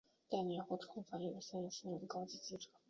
两年后重返有线新闻任高级记者。